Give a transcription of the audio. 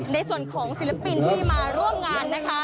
ในส่วนของศิลปินที่มาร่วมงานนะคะ